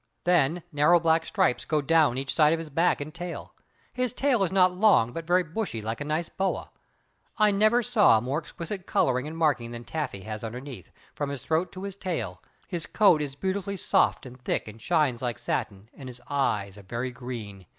Then, narrow black stripes go down each side of his back and tail. His tail is not long, but very bushy like a nice boa. I never saw more exquisite coloring and marking than Taffy has underneath, from his throat to his tail. His coat is beautifully soft and thick, and shines like satin, and his eyes are very green.